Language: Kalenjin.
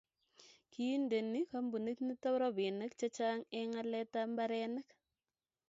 kiindene kampunit nito robinik chechang' eng' aletab mbarenik